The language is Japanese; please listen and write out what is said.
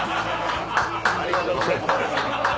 ありがとうございます。